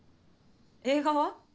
映画は？